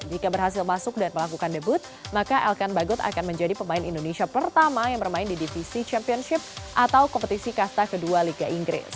jika berhasil masuk dan melakukan debut maka elkan bagot akan menjadi pemain indonesia pertama yang bermain di divisi championship atau kompetisi kasta kedua liga inggris